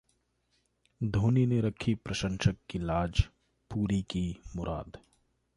धोनी ने रखी प्रशंसक की लाज, पूरी की मुराद